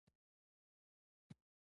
پیاله د نیکه یاد لري.